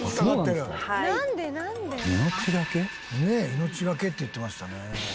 命がけって言ってましたね。